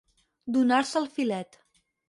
Donar-se el filet.